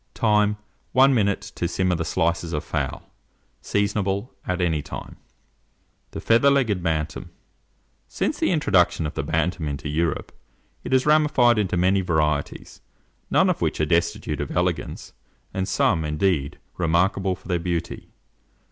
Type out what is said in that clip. Time. 1 minute to simmer the slices of fowl. Seasonable at any time. [Illustration: THE FEATHER LEGGED BANTAM.] THE FEATHER LEGGED BANTAM. Since the introduction of the Bantam into Europe, it has ramified into many varieties, none of which are destitute of elegance, and some, indeed, remarkable for their beauty.